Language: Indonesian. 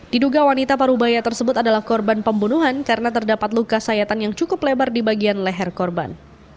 diduga wanita parubaya tersebut adalah korban pembunuhan karena terdapat luka sayatan yang cukup lebar di bagian leher korban